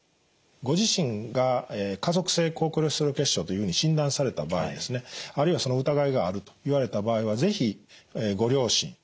ご自身が家族性高コレステロール血症というふうに診断された場合ですねあるいはその疑いがあると言われた場合は是非ご両親